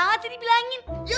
yang susah dibilang sama aku